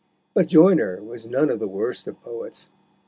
But Joyner was none of the worst of poets.